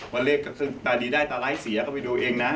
ว่าเลขซึ่งตาดีได้ตาร้ายเสียก็ไปดูเองนะ